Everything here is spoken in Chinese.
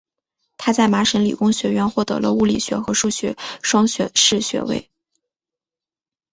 他在麻省理工学院获得了物理学和数学双学士学位。